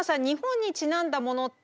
日本にちなんだもの